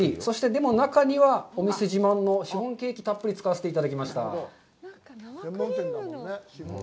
でも、中には、お店自慢のシフォンケーキたっぷり使わせていただきました。